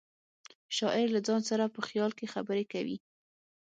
شاعر له ځان سره په خیال کې خبرې کوي